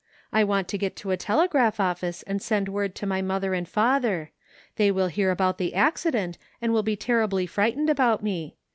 I want to get to a telegraph office and send word to my mother and father. They will hear about the accident and will be terribly frightened about me.